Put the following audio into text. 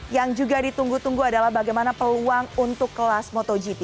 yang juga ditunggu tunggu adalah bagaimana peluang untuk kelas motogp